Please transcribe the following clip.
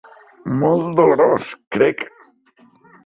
Molt dolorós, crec.